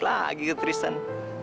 saya masih ein absensi dam